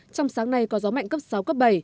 trong sáng nay có gió mạnh cấp sáu cấp bảy